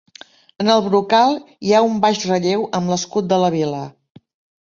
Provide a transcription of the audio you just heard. En el brocal hi ha un baix relleu amb l'escut de la vila.